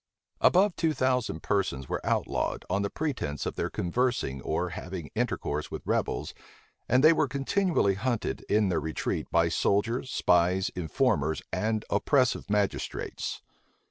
Above two thousand persons were outlawed on pretence of their conversing or having intercourse with rebels,[*] and they were continually hunted in their retreat by soldiers, spies, informers, and oppressive magistrates.